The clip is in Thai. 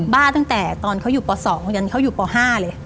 ตั้งแต่ตอนเขาอยู่ป๒จนเขาอยู่ป๕เลย